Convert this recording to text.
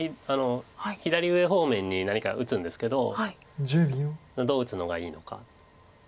左上方面に何か打つんですけどどう打つのがいいのか。